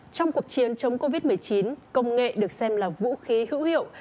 trong cuộc chiến chống covid một mươi chín công nghệ được xem là vũ khí hữu hiệu